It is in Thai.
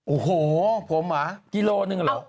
โอ้โฮผมวะกิโลนึงเหรอ